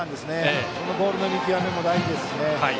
そのボールの見極めも大事ですしね。